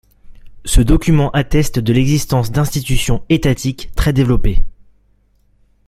Ce document atteste de l’existence d’institutions étatiques très développées.